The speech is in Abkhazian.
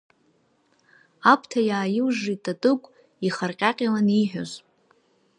Аԥҭа иааилжжит Татыгә ихаркькьалан ииҳәоз.